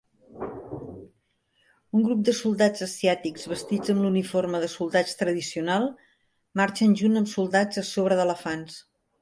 Un grup de soldats asiàtics vestits amb l'uniforme de soldats tradicional marxen junt amb soldats a sobre d'elefants.